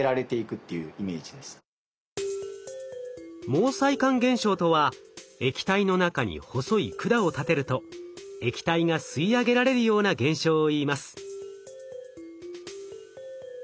毛細管現象とは液体の中に細い管を立てると液体が吸い上げられるような現象をいいます。